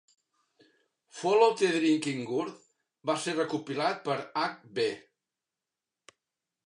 "Follow the Drinking Gourd" va ser recopilat per H. B.